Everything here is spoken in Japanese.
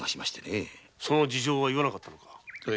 その事情は言わなかったのか？